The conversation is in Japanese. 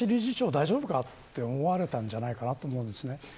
大丈夫かと思われたんじゃないかなと思うんです。